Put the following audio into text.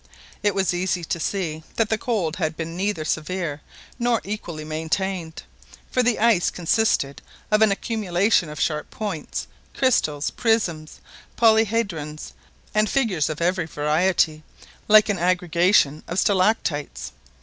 It was easy to see that the cold had been neither severe nor equally maintained, for the ice consisted of an accumulation of sharp points, crystals, prisms, polyhedrons, and figures of every variety, like an aggregation of stalactites.